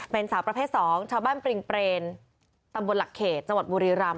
เป็นสาวประเภท๒ชาวบ้านปริงเปรนตำบลหลักเขตจังหวัดบุรีรำ